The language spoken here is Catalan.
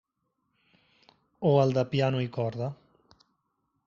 O el de piano i corda.